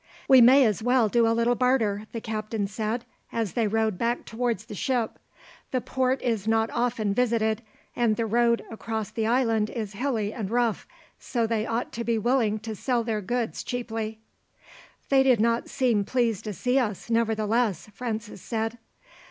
"We may as well do a little barter," the captain said, as they rowed back towards the ship. "The port is not often visited, and the road across the island is hilly and rough, so they ought to be willing to sell their goods cheaply." "They did not seem pleased to see us, nevertheless," Francis said.